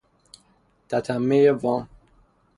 تتمهی وام